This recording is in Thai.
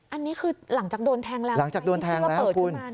อันนี้คือหลังจากโดนแทงแล้วหลังจากโดนแทงแล้วเปิดคุณ